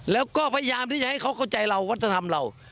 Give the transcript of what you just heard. แล้วก็พยายามที่จะให้เขาเข้าใจเราวัฒนธรรมเรา